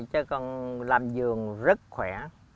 chứ con làm vườn rất khỏe